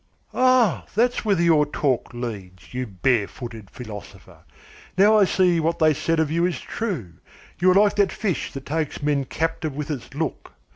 "Ah, that's whither your talk leads, you bare footed philosopher! Now I see what they said of you is true. You are like that fish that takes men captive with its look.